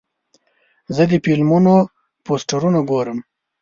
زه د فلمونو پوسټرونه ګورم.